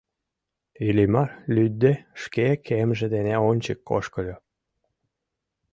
Иллимар лӱдде шке кемже дене ончык ошкыльо.